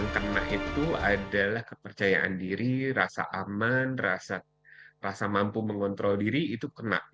kena itu adalah kepercayaan diri rasa aman rasa mampu mengontrol diri itu kena